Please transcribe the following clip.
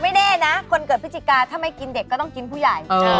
แน่นะคนเกิดพฤศจิกาถ้าไม่กินเด็กก็ต้องกินผู้ใหญ่